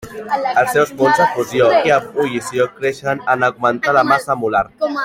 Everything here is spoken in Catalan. Els seus punts de fusió i ebullició creixen en augmentar la massa molar.